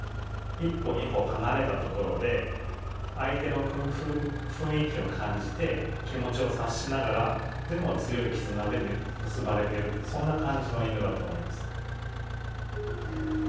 一歩二歩離れた所で相手の雰囲気を感じて気持ちを察しながらでも強い絆で結ばれてるそんな感じの犬だと思います。